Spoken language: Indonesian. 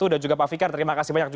dan juga pak fikar terima kasih banyak